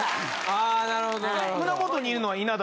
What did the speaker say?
あなるほど。